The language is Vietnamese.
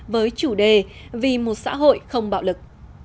với chủ đề vì một xã hội không bạo lực